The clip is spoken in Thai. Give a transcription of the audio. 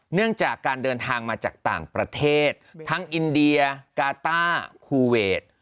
เนื่องจากการเดินทางมาจากต่างประเทศทั้งอินเดียกาต้าคูเวท